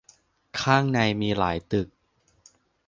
ข้างในมีหลายตึก